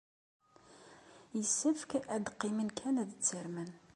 Yessefk ad qqimen kan ad ttarmen.